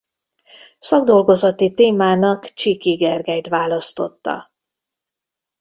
Szakdolgozati témának Csiky Gergelyt választotta.